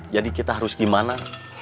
jadi kita harus gimana